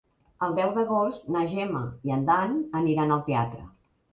El deu d'agost na Gemma i en Dan aniran al teatre.